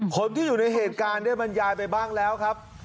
คนที่อยู่ในเหตุการณ์ได้บรรยายไปบ้างแล้วครับ